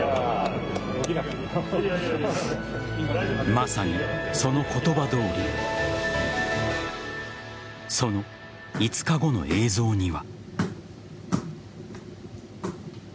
まさに、その言葉どおりその５日後の映像には。